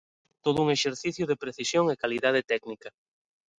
Todo un exercicio de precisión e calidade técnica.